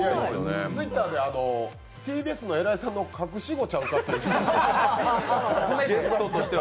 ＴｗｉｔｔｅｒでＴＢＳの偉いさんの隠し子ちゃうかと。